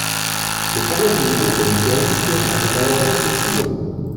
Le problème des groupes mutualistes avait alors été soulevé.